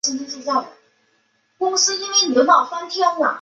一致同意在防控新冠肺炎疫情期间